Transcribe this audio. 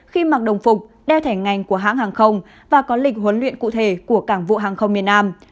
khi mặc đồng phục đeo thẻ ngành của hãng hàng không và có lịch huấn luyện cụ thể của cảng vụ hàng không miền nam